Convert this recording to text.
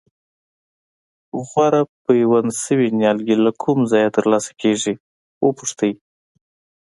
غوره پیوند شوي نیالګي له کوم ځایه ترلاسه کېږي وپوښتئ.